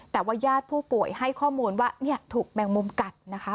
แต่ว่าญาติผู้ป่วยให้ข้อมูลว่าถูกแมงมุมกัดนะคะ